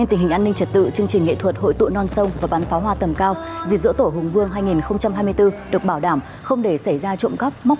trước anh linh quốc tổ hùng vương và các vị thánh thần phụ thở theo vua hùng đã có công dựng nước